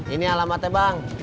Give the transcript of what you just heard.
ini alamatnya bang